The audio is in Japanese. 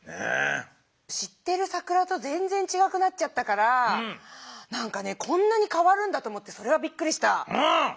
知ってる「さくら」と全然ちがくなっちゃったからこんなにかわるんだと思ってそれがびっくりした。